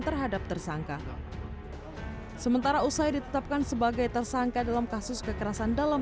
terhadap tersangka sementara usai ditetapkan sebagai tersangka dalam kasus kekerasan dalam